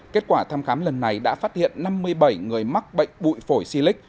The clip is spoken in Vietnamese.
kết quả thăm khám lần này đã phát hiện năm mươi bảy người mắc bệnh bụi phổi xy lích